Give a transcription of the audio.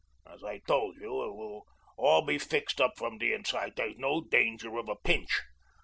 As I told you, it will all be fixed from de inside. Dere's no danger of a pinch.